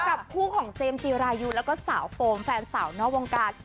กับคู่ของเจมส์จีรายุแล้วก็สาวโฟมแฟนสาวนอกวงการ